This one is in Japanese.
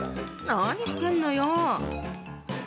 何してんのよ？